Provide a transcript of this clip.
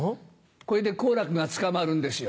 これで好楽が捕まるんですよ。